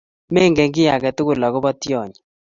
Mengen kiy ake tukul akopo tyonyi